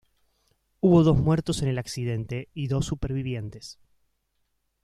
Hubo dos muertos en el accidente y dos supervivientes.